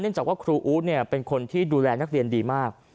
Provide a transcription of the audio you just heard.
จากว่าครูอู๊ดเป็นคนที่ดูแลนักเรียนดีมาก